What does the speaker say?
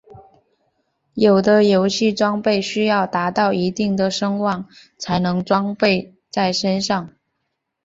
有的游戏装备需要达到一定的声望才能装备在身上。